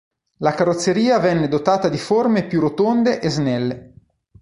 La carrozzeria venne dotata di forme più rotonde e snelle.